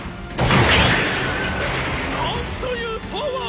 なんというパワー！